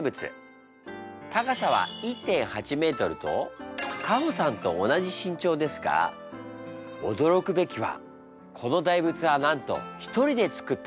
高さは１．８ｍとカホさんと同じ身長ですが驚くべきはこの大仏はなんと一人でつくったもの。